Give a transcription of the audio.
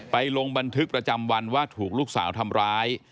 ลงบันทึกประจำวันว่าถูกลูกสาวทำร้าย